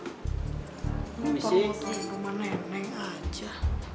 lupa lupa rumah nenek aja